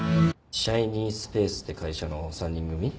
シャイニースペースって会社の３人組。